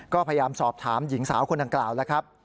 ก็พยายามสอบถามหญิงสาวคนดังกล่าวแล้วครับ